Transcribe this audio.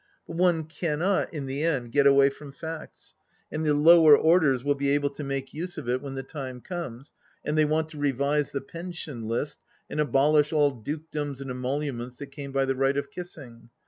But one cannot, in the end, get away from facts, and the lower orders will be able to make use of it when the time comes and they want to revise the Pension List and abolish all dukedoms and emoluments that came by the right of kissing.